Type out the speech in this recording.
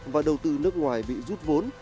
và đầu tư nước ngoài bị rút vốn